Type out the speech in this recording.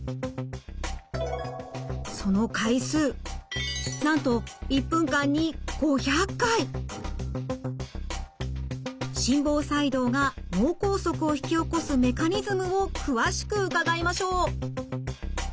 その回数なんと心房細動が脳梗塞を引き起こすメカニズムを詳しく伺いましょう。